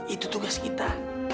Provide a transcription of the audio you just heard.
itu tugas kita